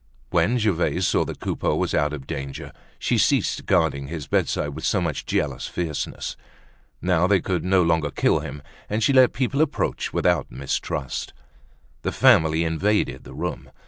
When Gervaise saw that Coupeau was out of danger, she ceased guarding his bedside with so much jealous fierceness. Now, they could no longer kill him, and she let people approach without mistrust. The family invaded the room.